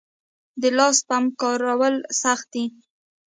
د لاس پمپ کارول سخت دي؟